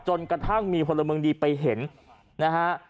จนกระทั่งมีพลเมืองดีไปเห็นนะฮะ